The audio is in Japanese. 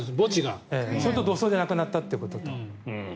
それと土葬じゃなくなったということと。